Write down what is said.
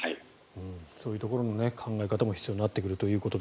そういうところの考え方も必要になってくると。